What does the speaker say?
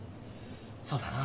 そうだな。